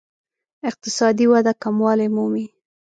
اقتصادي وده کموالی مومي.